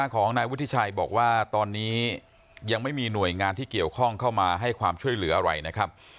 ของนายวุฒิชัยบอกว่าตอนนี้ยังไม่มีหน่วยงานที่เกี่ยวข้องเข้ามาให้ความช่วยเหลืออะไรนะครับ